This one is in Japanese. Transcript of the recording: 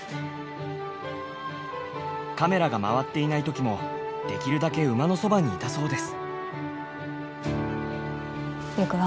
カメラが回っていない時もできるだけ馬のそばにいたそうです。